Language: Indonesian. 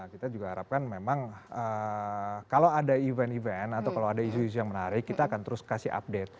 kita juga harapkan memang kalau ada event event atau kalau ada isu isu yang menarik kita akan terus kasih update